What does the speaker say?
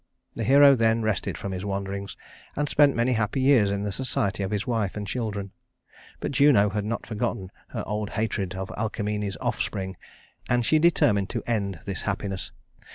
The hero then rested from his wanderings, and spent many happy years in the society of his wife and children; but Juno had not forgotten her old hatred of Alcmene's offspring, and she determined to end this happiness.